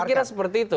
kira kira seperti itu